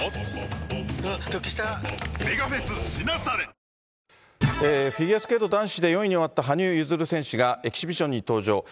さて、フィギュアスケート男子で４位に終わった羽生結弦選手がエキシビションに登場。